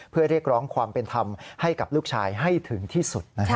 เพื่อเรียกร้องความเป็นธรรมให้กับลูกชายให้ถึงที่สุดนะครับ